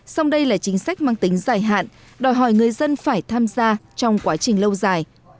song đây là chính sách mang tính dài hạn đòi hỏi người dân phải tham gia trong quá trình lâu dài